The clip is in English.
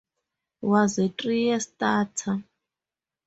Was a Three year starter.